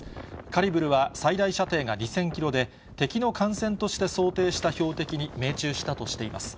カリブルは最大射程が２０００キロで、敵の艦船として想定した標的に命中したとしています。